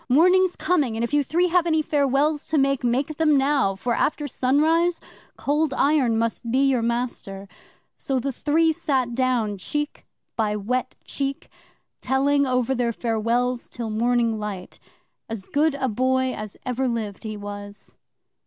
"Morning's coming, and if you three have any farewells to make, make them now, for, after sunrise, Cold Iron must be your master." 'So the three sat down, cheek by wet cheek, telling over their farewells till morning light. As good a boy as ever lived, he was.